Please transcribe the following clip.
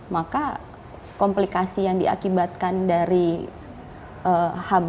maka komplikasi yang diakibatkan dari hb